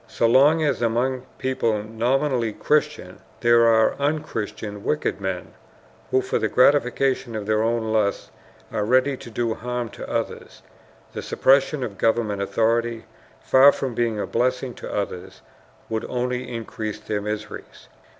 So long as among people nominally Christians there are unchristian wicked men, who for the gratification of their own lusts are ready to do harm to others, the suppression of government authority, far from being a blessing to others, would only increase their miseries.